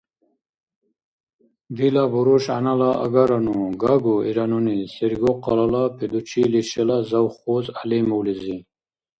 — Дила буруш-гӀянала агарану, гагу! — ира нуни Сергокъалала педучилищела завхоз ГӀялимовлизи.